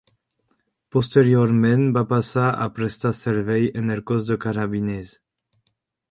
Posteriorment va passar a prestar servei en el Cos de Carabiners.